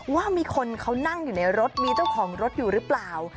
ว่ามีคนเขานั่งอยู่ในรถมีเจ้าของรถอยู่หรือเปล่า